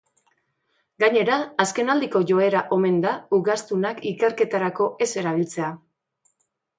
Gainera, azken aldiko joera omen da ugaztunak ikerketarako ez erabiltzea.